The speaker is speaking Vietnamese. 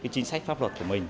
chính sách pháp luật của mình